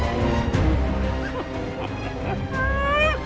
sebaiknya kita pergi dulu